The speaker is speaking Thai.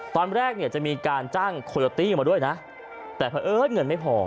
ตอนแรกเนี่ยจะมีการจ้างโคโยตี้มาด้วยนะแต่เพราะเอิ้นเงินไม่พอ